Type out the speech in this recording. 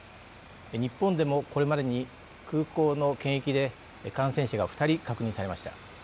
日本でも、これまでに空港の検疫で感染者が２人、確認されました。